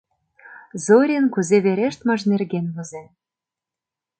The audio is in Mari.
Зорин кузе верештмыж нерген возен.